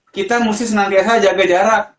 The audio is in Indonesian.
kita mesti senang biasa jaga jarak